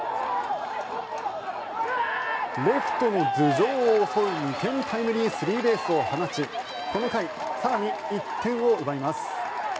レフトの頭上を襲う２点タイムリースリーベースを放ちこの回、更に１点を奪います。